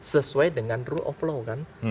sesuai dengan rule of law kan